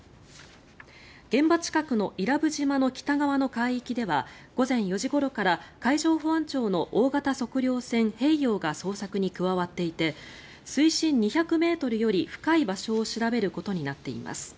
現場近くの伊良部島の北側の海域では午前４時ごろから海上保安庁の大型測量船「平洋」が捜索に加わっていて水深２００ｍより深い場所を調べることになっています。